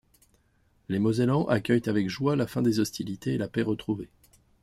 Les Mosellans accueillent avec joie la fin des hostilités et la paix retrouvée.